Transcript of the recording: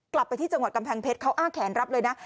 กลับไปที่จังหวัดกำแพงเพชรเขาอ้าแขนรับเลยนะ